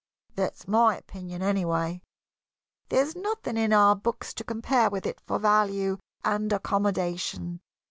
That's my opinion, anyway. There's nothing in our books to compare with it for value and accommodation.